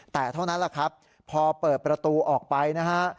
แต่เท่านั้นแหละครับพอเปิดประตูออกไปนะฮะ